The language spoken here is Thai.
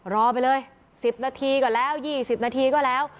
รอไปเลย๑๐นาทีก็แล้ว๒๐นาทีก็แล้ว